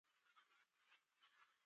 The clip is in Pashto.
په غیږ کې ونیوله